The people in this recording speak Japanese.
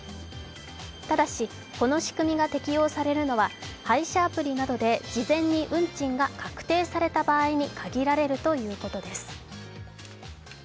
ただし、この仕組みが適用されるのは配車アプリなどで事前に運賃が確定された場合に限られるということです。